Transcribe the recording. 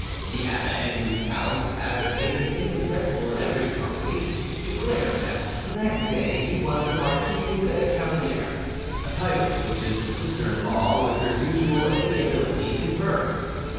The abbe, whose talents had made him indispensable in every company, declared that for that day he was the marquise's cavalier, a title which his sister in law, with her usual amiability, confirmed.